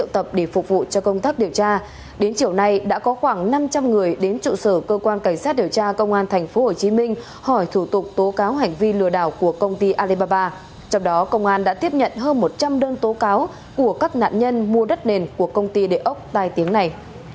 trong đó công an đã tiếp nhận hơn một trăm linh đơn tố cáo của các nạn nhân mua đất nền của công ty đệ ốc tài tiến này